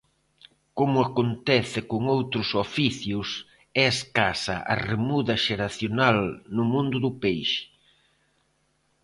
Como acontece con outros oficios, é escasa a remuda xeracional no mundo do peixe.